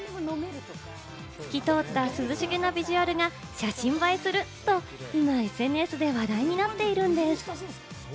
透き通った涼しげなビジュアルが写真映えすると、今、ＳＮＳで話題になっているんです。